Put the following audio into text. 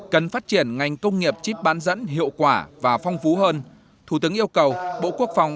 cần phát triển ngành công nghiệp chip bán dẫn hiệu quả và phong phú hơn thủ tướng yêu cầu bộ quốc phòng